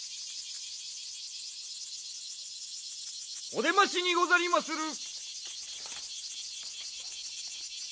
・お出ましにござりまする！